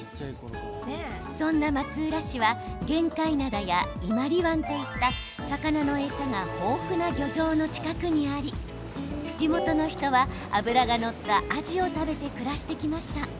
そんな松浦市は玄界灘や伊万里湾といった魚の餌が豊富な漁場の近くにあり地元の人は脂が乗ったアジを食べて暮らしてきました。